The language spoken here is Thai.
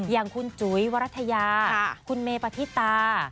อย่างคุณจุ๋ยวรัฐยาคุณเมปฏิตา